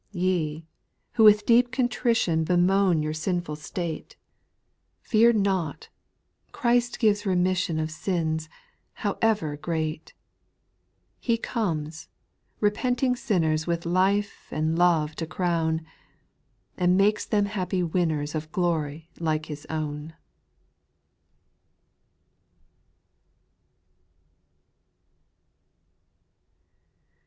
5. Ye, who with deep contrition Bemoan your sinful state, 32* 866 SPIRITUAL SONGS, Fear not, — Christ gives remission Of sins, however great. He comes, repenting sinners With life and love to crown, And make them happy winners Of glory like His own.